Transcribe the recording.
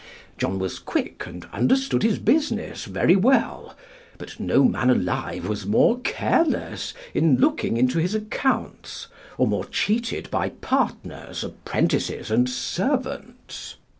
John was quick and understood his business very well; but no man alive was more careless in looking into his accounts, or more cheated by partners, apprentices, and servants.